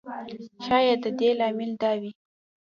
شاید د دې لامل دا وي.